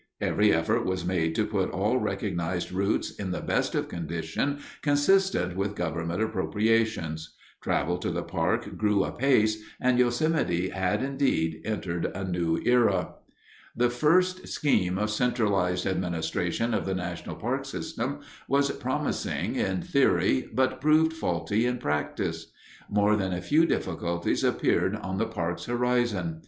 Every effort was made to put all recognized routes in the best of condition consistent with government appropriations. Travel to the park grew apace, and Yosemite had, indeed, entered a new era. The first scheme of centralized administration of the national park system was promising in theory but proved faulty in practice. More than a few difficulties appeared on the parks horizon.